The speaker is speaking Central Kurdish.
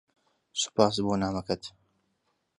سوپاس بۆ نامەکەت.